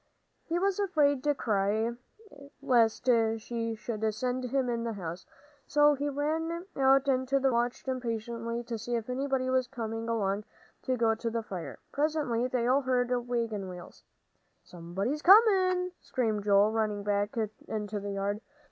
He was afraid to cry, lest she should send him in the house, so he ran out into the road and watched impatiently to see if anybody was coming along to go to the fire. Presently they all heard wagon wheels. "Somebody's comin'!" screamed Joel, running back into the yard.